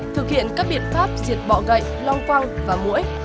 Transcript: thực hiện các biện pháp diệt bọ gậy long quăng và mũi